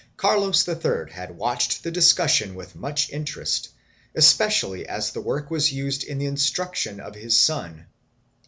Carlos III had watched the discussion with much interest, especially as the work was used in the instruction of his son.